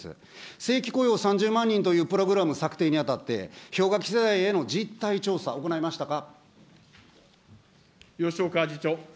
正規雇用３０万人というプログラム策定について、氷河期世代への実態調査、行いましたか。